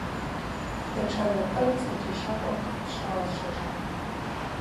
Датша закӏы, рыцӏа джьащахъвакӏ, швалачважва.